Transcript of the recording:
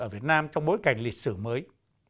ở việt nam trong bối cảnh lịch sử mới